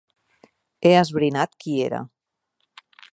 He esbrinat qui era.